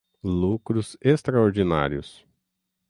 lucros extraordinários